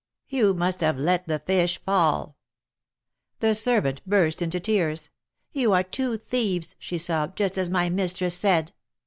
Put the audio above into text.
You must have let the fish fall." The servant burst into tears. " You are two thieves," she sobbed, "just as my mistress said."